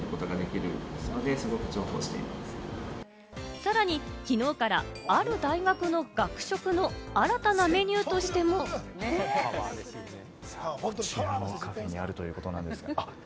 さらに昨日から、ある大学の学食の新たなメニューとしても。こちらのカフェにあるということです。